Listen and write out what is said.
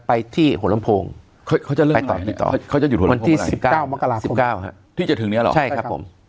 ไปที่หัวลำโพงไปต่อวันที่๑๙มคที่จะถึงเนี่ยหรอใช่ครับผม